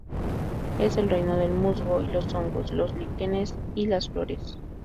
Es el reino del musgo y los hongos; los líquenes y las flores.